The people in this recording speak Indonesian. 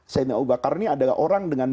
sayyina abu bakar ini adalah orang dengan